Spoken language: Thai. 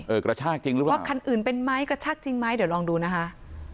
กระชากจริงหรือเปล่าว่าคันอื่นเป็นไหมกระชากจริงไหมเดี๋ยวลองดูนะคะ